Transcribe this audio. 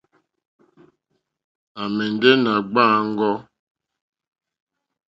À mɛ̀ndɛ̀ nà gbàáŋgò.